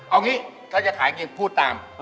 เอางี้ถ้าจะขายจริงพูดตาม